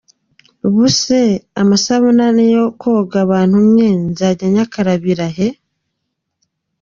Ubu se amasabune ane yo koga bantumye nzajya nyakarabira he?”.